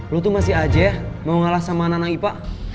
lo tuh masih aja ya mau ngalah sama anak anak ipa